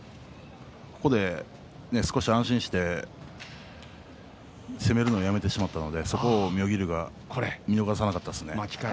ここで少し安心して攻めるのをやめてしまったのでそこを妙義龍が見逃さなかったですね。